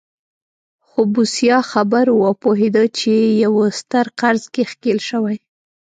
خو بوسیا خبر و او پوهېده په یوه ستر قرض کې ښکېل شوی.